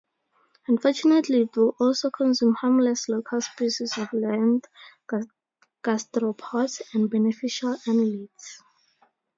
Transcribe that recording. Unfortunately it will also consume harmless local species of land gastropods, and beneficial annelids.